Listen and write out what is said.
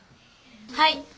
はい。